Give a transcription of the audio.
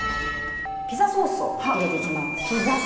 ピザソースを入れていきます。